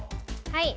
はい。